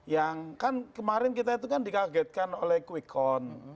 yang kan kemarin kita itu kan dikagetkan oleh quick count